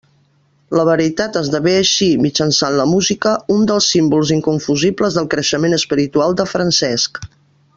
La veritat esdevé així, mitjançant la música, un dels símbols inconfusibles del creixement espiritual de Francesc.